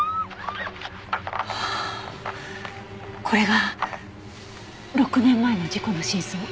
これが６年前の事故の真相。